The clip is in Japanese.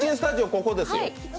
ここですよ。